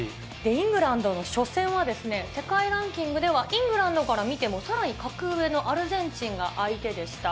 イングランドの初戦は、世界ランキングではイングランドから見ても、さらに格上のアルゼンチンが相手でした。